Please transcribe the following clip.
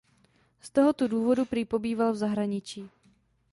Z tohoto důvodu prý pobýval v zahraničí.